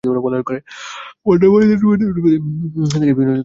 বন্যার পানিতে ডুবে থাকায় তাঁদের তাঁতযন্ত্রসহ বিভিন্ন তাঁতসামগ্রী অকেজো হয়ে যায়।